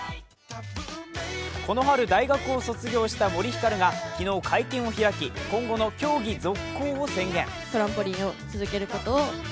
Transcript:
この春、大学を卒業した森ひかるが昨日、会見を開き今後の競技続行を宣言。